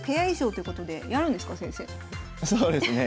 そうですね。